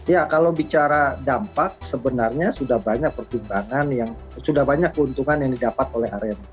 ya kalau bicara dampak sebenarnya sudah banyak pertimbangan yang sudah banyak keuntungan yang didapat oleh arema